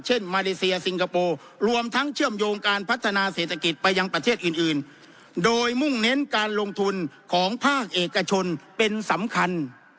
มาเลเซียสิงคโปร์รวมทั้งเชื่อมโยงการพัฒนาเศรษฐกิจไปยังประเทศอื่นโดยมุ่งเน้นการลงทุนของภาคเอกชนเป็นสำคัญ